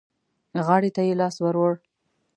غاړې ته يې لاس ور ووړ.